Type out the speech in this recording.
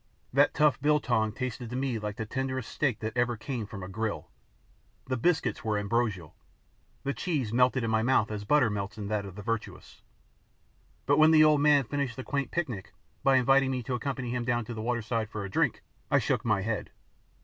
That tough biltong tasted to me like the tenderest steak that ever came from a grill; the biscuits were ambrosial; the cheese melted in my mouth as butter melts in that of the virtuous; but when the old man finished the quaint picnic by inviting me to accompany him down to the waterside for a drink, I shook my head.